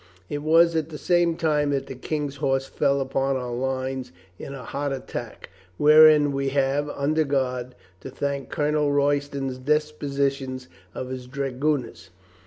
It was at the same time that the King's horse fell upon our lines in a hot .attack, wherein we have, under God, to thank Colonel Royston's dispositions of his dragoon ers.